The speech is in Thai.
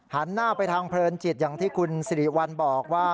หันหน้าไปทางเพลินจิตอย่างที่คุณสิริวัลบอกว่า